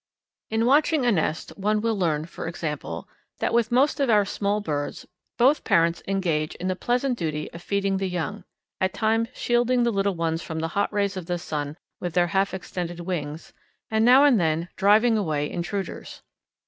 In watching a nest one will learn, for example, that with most of our small birds both parents engage in the pleasant duty of feeding the young, at times shielding the little ones from the hot rays of the sun with their half extended wings, and now and then driving away intruders.